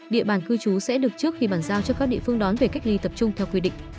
địa bàn cư trú sẽ được trước khi bàn giao cho các địa phương đón về cách ly tập trung theo quy định